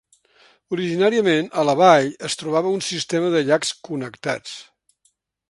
Originàriament, a la vall es trobava un sistema de llacs connectats.